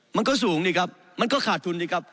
มันก็สูงนี่ครับมันก็ขาดทุนสิครับ